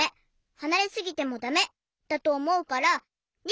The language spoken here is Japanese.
はなれすぎてもだめだとおもうから②ばん！